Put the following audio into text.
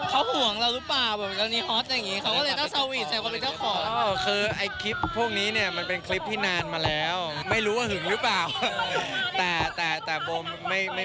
เขาห่วงเรารึเปล่าว่าเราจะมีฮอตแบบนี้